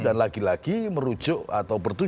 dan lagi lagi merujuk atau bertujuan